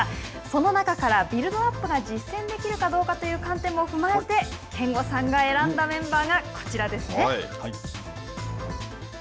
その中から、ビルドアップが実践できるかどうかという観点を踏まえて憲剛さんが選んだメンバーがこちらですね。